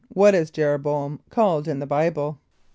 = What is J[)e]r o b[=o]´am called in the Bible?